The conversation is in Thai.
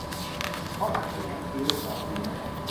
เพราะหนังเรื่องนี้คือเรื่องราวดี